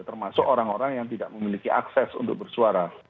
termasuk orang orang yang tidak memiliki akses untuk bersuara